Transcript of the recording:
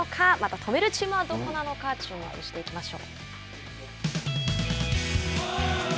止めるチームはどこなのか注目していきましょう。